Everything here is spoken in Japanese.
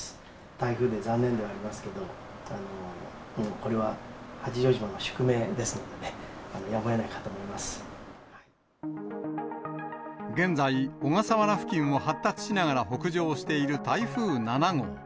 台風で残念ではありますけれども、これは八丈島の宿命ですのでね、現在、小笠原付近を発達しながら北上している台風７号。